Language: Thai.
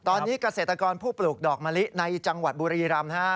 ตอนนี้เกษตรกรผู้ปลูกดอกมะลิในจังหวัดบุรีรำ